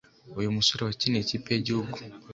Uyumusore wakiniye ikipe yigihugu